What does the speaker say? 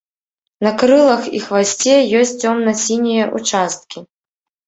На крылах і хвасце ёсць цёмна-сінія ўчасткі.